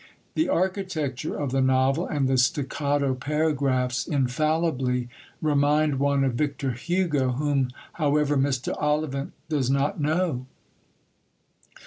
The architecture of the novel and the staccato paragraphs infallibly remind one of Victor Hugo, whom, however, Mr. Ollivant does not know.